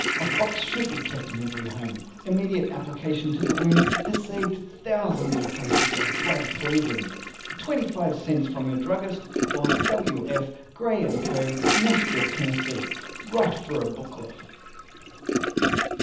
A box should be kept in every home. Immediate application to the wound has saved thousands of cases of Blood Poison. 25 cents from your Druggist or W. F. GRAY & CO. Nashville, Tenn. Write for Booklet.